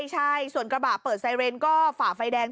ใช่ส่วนกระบะเปิดไซเรนก็ฝ่าไฟแดง